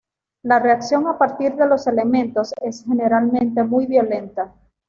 La reacción a partir de los elementos es generalmente muy violenta.